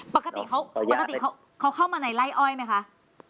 ปกติเขาเข้ามาในไลฟ์ออยไหมคะ